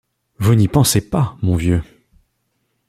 Vous n'y pensez pas, mon vieux !